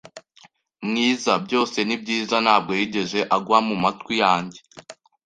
mwiza “Byose ni byiza,” ntabwo yigeze agwa mu matwi yanjye.